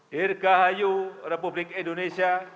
dirgahayu republik indonesia